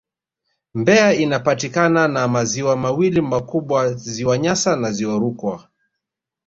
Mbeya inapakana na maziwa mawili makubwa Ziwa Nyasa na Ziwa Rukwa